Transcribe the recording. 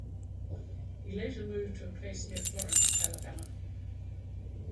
He later moved to a place near Florence, Alabama.